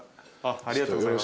ありがとうございます。